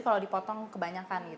kalau dipotong kebanyakan